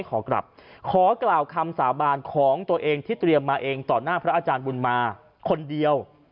ขอกลับขอกล่าวคำสาบานของตัวเองที่เตรียมมาเองต่อหน้าพระอาจารย์บุญมาคนเดียว